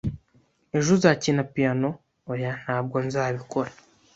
"Ejo uzakina piyano?" "Oya, ntabwo nzabikora."